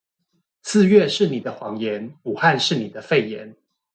四月是你的謊言，武漢是你的肺炎